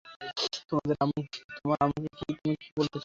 তোমার আম্মুকে তুমি কি বলতে চাও?